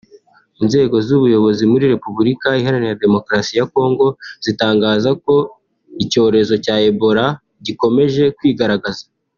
Inzego z’ubuyobozi muri Repubulika Iharanira Demokarasi ya Congo zitangaza ko icyorezo cya Ebola gikomeje kwigaragaza